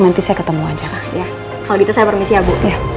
nanti saya ketemu aja kak ya kalau gitu saya permisi ya bu